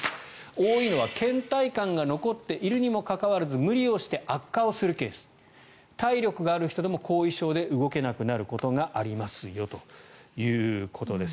多いのは、けん怠感が残っているにもかかわらず無理をして悪化をするケース体力がある人でも後遺症で動けなくなることがありますよということです。